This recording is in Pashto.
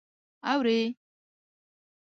_اورې؟